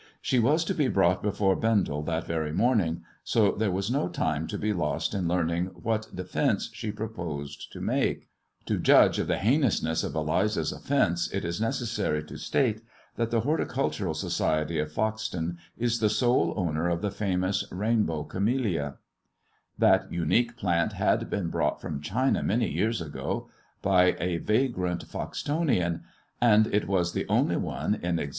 She was to be before Bendel that very morning, so there was no tima' be lost in learning what defence she proposed to make. To judge of the heinousness of Eliza's offence, it necessary to state that the Horticultural Society of Fc is the sole owner of the famous rainbow camellia, unique plant had been brought from China many years by a vagrant Foxtonian, and it was the only one in ft'Hstfliiipg « Eliza wu tearful but ToIuUe."